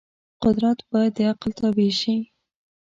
قدرت باید د عقل تابع شي.